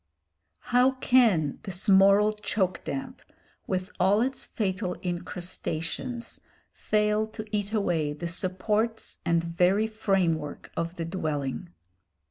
How can this moral choke damp, with all its fatal incrustations, fail to eat away the supports and very framework of the dwelling.